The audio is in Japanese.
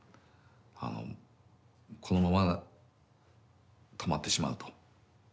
このまま止まってしまうと。